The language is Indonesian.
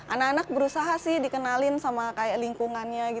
anak anak berusaha dikenalin sama lingkungannya